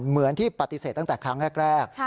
เหมือนที่ปฏิเสธตั้งแต่ครั้งแรก